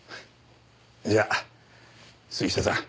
じゃあ杉下さん